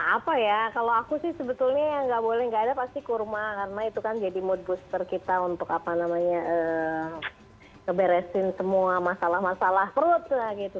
apa ya kalau aku sih sebetulnya yang nggak boleh nggak ada pasti kurma karena itu kan jadi mood booster kita untuk apa namanya ngeberesin semua masalah masalah perut lah gitu